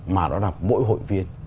mà đó là mỗi hội viên